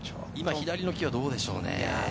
左の木はどうでしょうね？